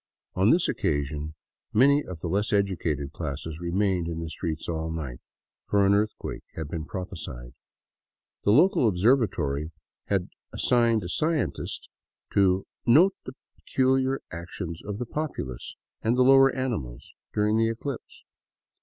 On this occasion many of the less educated classes remained in the streets all night, for an earthquake had been prophesied. The local observatory had assigned a scientist to " note the peculiar actions of the populace and the lower animals during the eclipse."